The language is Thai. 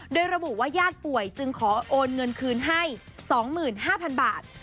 โดยระบุว่าญาติป่วยจึงขอโอนเงินคืนให้๒๕๐๐๐บาท